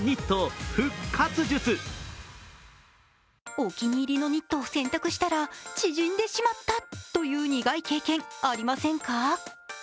お気に入りのニットを洗濯したら縮んでしまった、苦い経験、ありませんか？